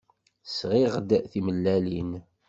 Sɣiɣ-d timellalin.